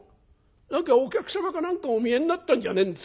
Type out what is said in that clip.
何かお客様か何かお見えになったんじゃねえんですか？